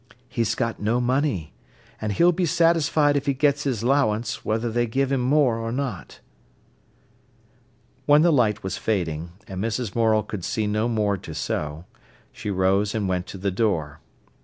"He's got no money. An' he'll be satisfied if he gets his 'lowance, whether they give him more or not." When the light was fading, and Mrs. Morel could see no more to sew, she rose and went to the door.